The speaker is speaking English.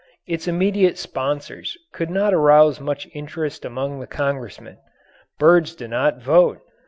Its immediate sponsors could not arouse much interest among the Congressmen. Birds do not vote.